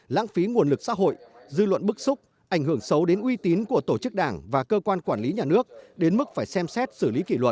lãng phí nguồn lực xã hội dư luận bức xúc ảnh hưởng xấu đến uy tín của tổ chức đảng và cơ quan quản lý nhà nước đến mức phải xem xét xử lý kỷ luật